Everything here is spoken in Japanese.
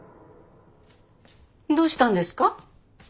どうしたんですか？